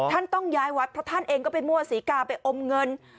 ท่านต้องย้ายวัดเพราะท่านเองก็ไปมั่วศรีกาไปอมเงิน